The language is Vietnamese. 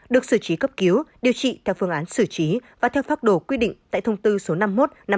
được xử trí cấp cứu điều trị theo phương án xử trí và theo pháp đồ quy định tại thông tư số năm mươi một năm hai nghìn một mươi